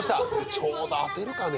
ちょうど当てるかね